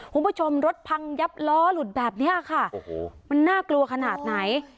คุณผู้ชมรถพังยับล้อหลุดแบบเนี้ยค่ะโอ้โหมันน่ากลัวขนาดไหน